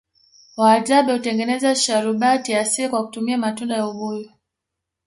wahadzabe hutengeza sharubati ya asili kwa kutumia matunda ya ubuyu